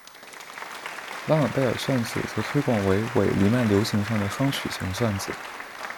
达朗贝尔算子则推广为伪黎曼流形上的双曲型算子。